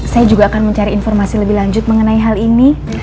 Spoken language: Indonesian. saya juga akan mencari informasi lebih lanjut mengenai hal ini